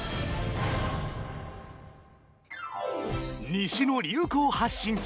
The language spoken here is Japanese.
［西の流行発信地